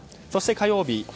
そして火曜日